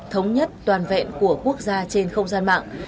thống nhất toàn vẹn của quốc gia trên không gian mạng